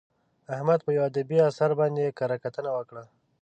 احمد په یوه ادبي اثر باندې کره کتنه وکړه.